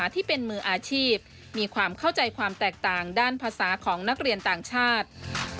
ต่างด้านภาษาของนักเรียนต่างชาติ